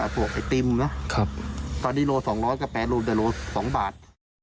อ่ะสวกไอติมเนอะครับตอนนี้โลสองร้อยกับแปรรูปเดี๋ยวโลสองบาท